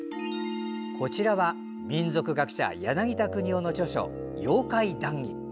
こちらは民俗学者・柳田國男の著書「妖怪談義」。